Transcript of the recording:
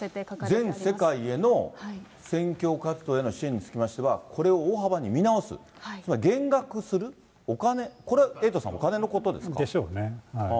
全世界への宣教活動への支援につきましては、これを大幅に見直す、つまり減額する、お金、これ、エイトさん、でしょうね。